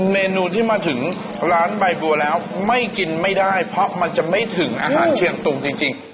เมนูที่มาถึงร้านใบบัวแล้วไม่กินไม่ได้เพราะมันจะไม่ถึงอาหารเชียงตุงจริง